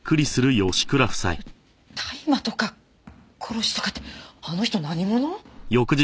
大麻とか殺しとかってあの人何者？